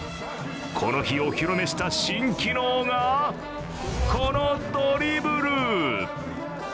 この日お披露目した新機能がこのドリブル。